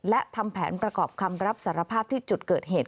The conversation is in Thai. และทำแผนประกอบคำรับสารภาพที่จุดเกิดเหตุ